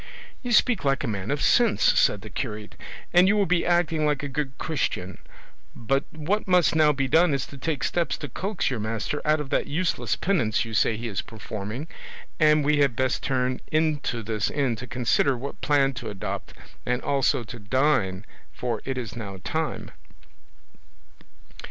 "You speak like a man of sense," said the curate, "and you will be acting like a good Christian; but what must now be done is to take steps to coax your master out of that useless penance you say he is performing; and we had best turn into this inn to consider what plan to adopt, and also to dine, for it is now time."